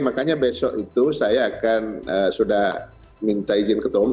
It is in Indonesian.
makanya besok itu saya akan sudah minta izin ketua umum